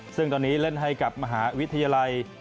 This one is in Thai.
ซึ่งตอนนี้เล่นให้กับมหาวิทยาลัย